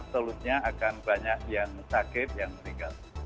solusinya akan banyak yang sakit yang meninggal